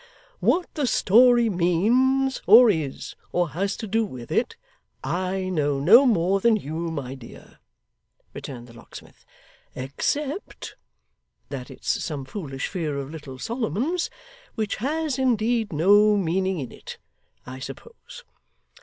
'What the story means, or is, or has to do with it, I know no more than you, my dear,' returned the locksmith, 'except that it's some foolish fear of little Solomon's which has, indeed, no meaning in it, I suppose.